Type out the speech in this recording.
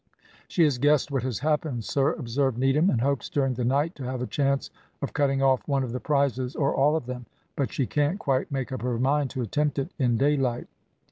"She has guessed what has happened, sir," observed Needham, "and hopes during the night to have a chance of cutting off one of the prizes or all of them; but she can't quite make up her mind to attempt it in daylight."